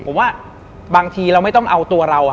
ผมว่าบางทีเราไม่ต้องเอาตัวเรา